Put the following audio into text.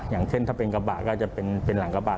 อย่างเช่นถ้าเป็นกระบะก็จะเป็นหลังกระบะ